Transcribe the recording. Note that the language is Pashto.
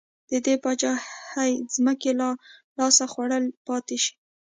د دې پاچاهۍ ځمکې نا لاس خوړلې پاتې شي.